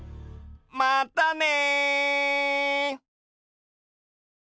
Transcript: またね！